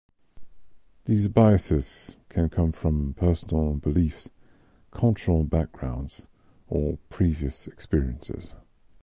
These biases can come from personal beliefs, cultural backgrounds, or previous experiences.